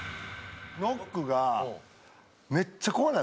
ノックがめっちゃ怖ない？